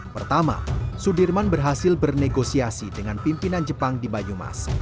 pertama sudirman berhasil bernegosiasi dengan pimpinan jepang di banyumas